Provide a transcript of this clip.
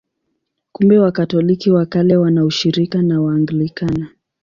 Kumbe Wakatoliki wa Kale wana ushirika na Waanglikana.